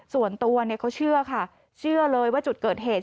ส่วนตัวเขาเชื่อค่ะเชื่อเลยว่าจุดเกิดเหตุ